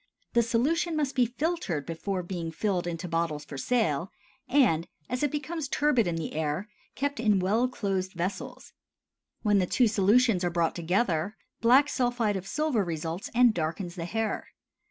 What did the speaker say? The solution must be filtered before being filled into bottles for sale, and, as it becomes turbid in the air, kept in well closed vessels. When the two solutions are brought together, black sulphide of silver results and darkens the hair.